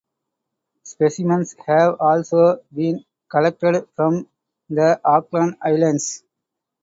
Specimens have also been collected from the Auckland Islands.